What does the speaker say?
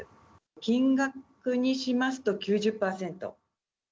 金額にしますと９０％。